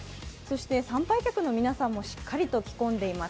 参拝客の皆さんもしっかり着込んでいます。